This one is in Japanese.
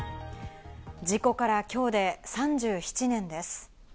事故から今日で３７年です。